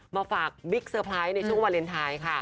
มาฝากบิ๊กเซอร์ไพรส์ในช่วงวาเลนไทยค่ะ